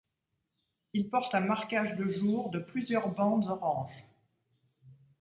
Il porte un marquage de jour de plusieurs bandes orange.